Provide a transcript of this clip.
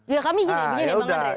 ya kami begini